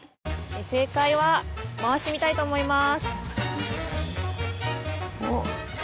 正解は回してみたいと思います。